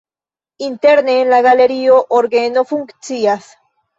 Interne en la galerio orgeno funkcias.